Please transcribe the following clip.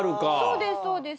そうですそうです。